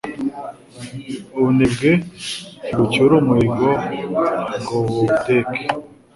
Ubunebwe ntibucyura umuhigo ngo buwuteke